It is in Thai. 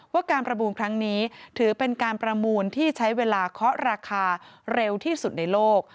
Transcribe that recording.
การประมูลครั้งนี้ถือเป็นการประมูลที่ใช้เวลาเคาะราคาเร็วที่สุดในโลก